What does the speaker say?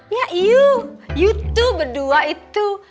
ya iyu iyu tuh berdua itu